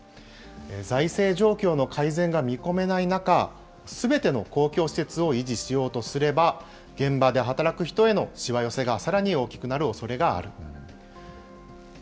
財政状況の改善が見込めない中、すべての公共施設を維持しようとすれば、現場で働く人へのしわ寄せがさらに大きくなるおそれがある。